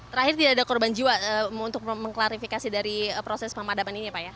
terakhir tidak ada korban jiwa untuk mengklarifikasi dari proses pemadaman ini ya pak ya